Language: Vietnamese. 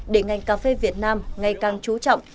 để ngành cà phê việt nam ngày càng trú trọng